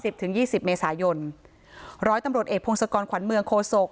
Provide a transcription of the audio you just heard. ถึงยี่สิบเมษายนร้อยตำรวจเอกพงศกรขวัญเมืองโคศก